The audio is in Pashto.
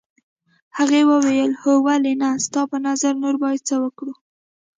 هغې وویل هو ولې نه ستا په نظر نور باید څه وکړو.